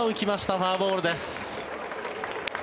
フォアボールです。